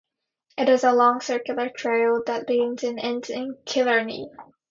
It is a long circular trail that begins and ends in Killarney.